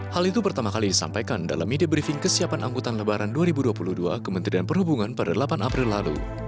hal itu pertama kali disampaikan dalam media briefing kesiapan angkutan lebaran dua ribu dua puluh dua kementerian perhubungan pada delapan april lalu